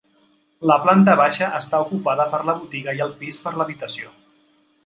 La planta baixa està ocupada per la botiga i el pis per l'habitació.